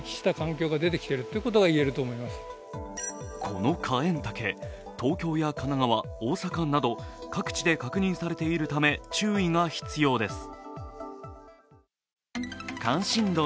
このカエンタケ、東京や神奈川、大阪など各地で確認されているため注意が必要です。